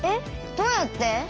どうやって？